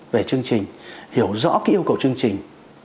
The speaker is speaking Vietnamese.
về chương trình hiểu rõ cái yêu cầu chương trình